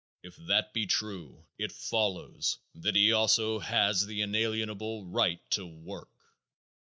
If that be true it follows that he has also the inalienable right to work.